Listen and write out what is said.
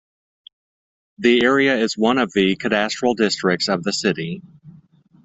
The area is one of the cadastral districts of the city.